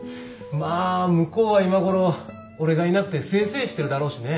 まあ向こうは今頃俺がいなくて清々してるだろうしね。